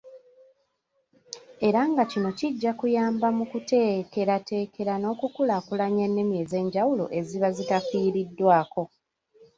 Era nga kino kijja kuyamba mu kuteekerateekera n'okukulaakulanya ennimi ez'enjawulo eziba zitafiiriddwako.